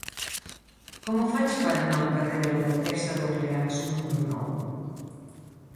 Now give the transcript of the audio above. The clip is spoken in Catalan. Com ho faig per anar al carrer de la Duquessa d'Orleans número nou?